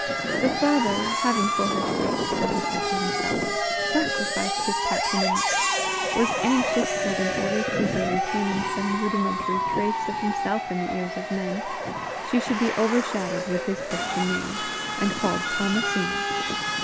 The father, having for her sake so he said to himself sacrificed his patronymic, was anxious that in order to her retaining some rudimentary trace of himself in the ears of men, she should be overshadowed with his Christian name, and called Thomasina.